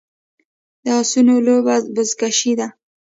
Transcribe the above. د اسونو لوبه بزکشي ده